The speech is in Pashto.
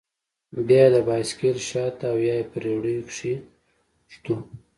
بيا يې د بايسېکل شاته او يا په رېړيو کښې ږدو.